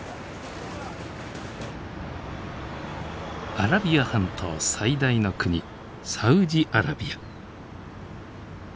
アラビア半島最大の国サウジアラビア。